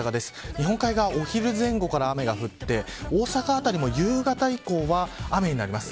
日本海はお昼前後から雨が降って大阪辺りも夕方以降雨になります。